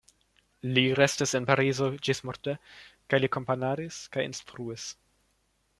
Li restis en Parizo ĝismorte kaj li komponadis kaj instruis.